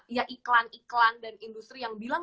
ya iklan iklan dan industri yang bilang